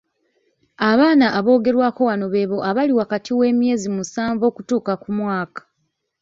Abaana aboogerwako wano be abo abali wakati w’emyezi musanvu okutuuka ku mwaka .